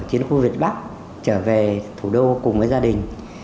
tôi đã đến khu việt bắc trở về thủ đô cùng với gia đình